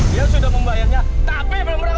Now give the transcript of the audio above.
dia sudah membayarnya tapi benar benar juga